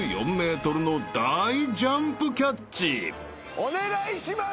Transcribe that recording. お願いします！